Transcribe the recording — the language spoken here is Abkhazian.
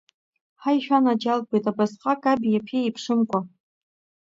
Ҳаи, шәанаџьалбеит, абасҟак аби ԥеи еиԥшымкәа…